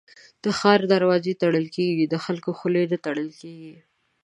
د ښار دروازې تړل کېږي ، د خلکو خولې نه تړل کېږي.